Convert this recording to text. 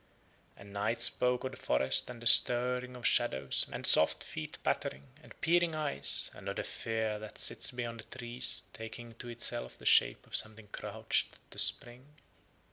And Night spoke of the forest and the stirring of shadows and soft feet pattering and peering eyes, and of the fear that sits behind the trees taking to itself the shape of something crouched to spring.